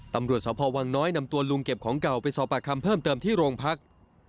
ตำรวจสพวังน้อยนำตัวลุงเก็บของเก่าไปสอบปากคำเพิ่มเติมที่โรงพัก